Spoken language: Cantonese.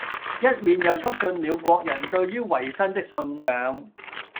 一面又促進了國人對于維新的信仰。